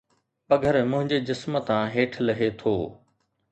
پگهر منهنجي جسم تان هيٺ لهي ٿو